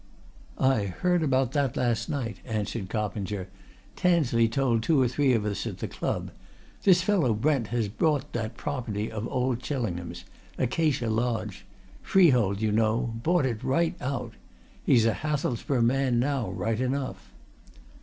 "I heard about that last night," answered Coppinger. "Tansley told two or three of us at the club. This fellow Brent has bought that property of old Chillingham's Acacia Lodge. Freehold, you know; bought it right out. He's a Hathelsborough man now, right enough."